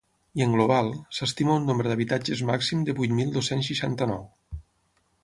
I en global, s’estima un nombre d’habitatges màxim de vuit mil dos-cents seixanta-nou.